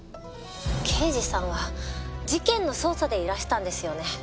刑事さんは事件の捜査でいらしたんですよね？